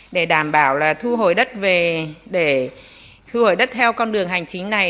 để đảm bảo là thu hồi đất theo con đường hành chính này